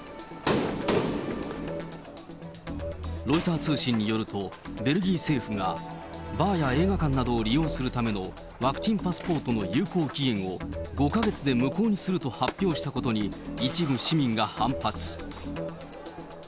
ロイター通信によると、ベルギー政府が、バーや映画館などを利用するためのワクチンパスポートの有効期限を５か月で無効にすると発表したことに、一部市民が反発。